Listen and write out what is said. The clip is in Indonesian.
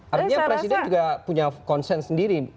artinya presiden juga punya konsen sendiri